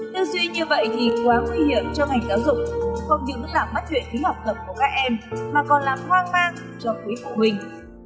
tư duy như vậy thì quá nguy hiểm cho ngành giáo dục không những làm mất chuyện tính học tập của các em mà còn làm hoang mang cho quý phụ huynh